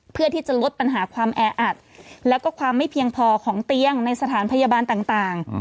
เพื่อที่จะลดปัญหาความแออัดแล้วก็ความไม่เพียงพอของเตียงในสถานพยาบาลต่าง